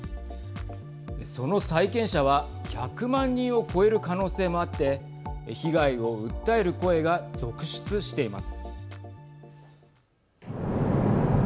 その債権者は１００万人を超える可能性もあって被害を訴える声が続出しています。